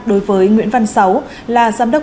đối với nguyễn văn sáu là giám đốc